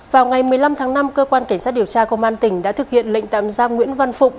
vào ngày một mươi năm tháng năm cơ quan cảnh sát điều tra công an tỉnh đã thực hiện lệnh tạm giam nguyễn văn phục